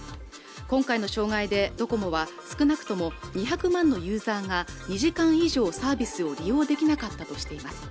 今回の障害でドコモは少なくとも２００万のユーザーが２時間以上サービスを利用できなかったとしています